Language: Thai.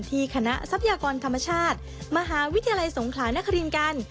คณะทรัพยากรธรรมชาติมหาวิทยาลัยสงขลานครินกัน